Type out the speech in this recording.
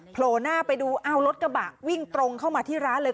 โผล่หน้าไปดูอ้าวรถกระบะวิ่งตรงเข้ามาที่ร้านเลย